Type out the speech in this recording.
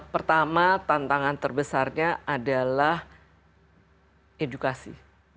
pertama tantangan terbesarnya adalah edukasi